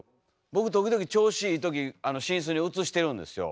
僕時々調子いい時あの寝室に映してるんですよ。